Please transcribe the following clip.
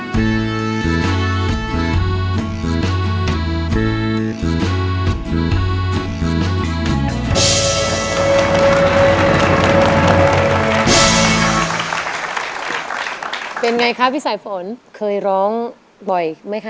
เป็นไงคะพี่สายฝนเคยร้องบ่อยไหมคะ